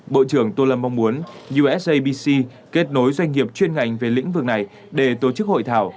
bộ trưởng tô lâm mong muốn usabc kết nối doanh nghiệp chuyên ngành về lĩnh vực này để tổ chức hội thảo